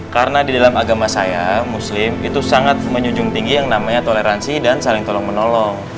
karena di dalam agama saya muslim itu sangat menunjung tinggi yang namanya toleransi dan saling tolong menolong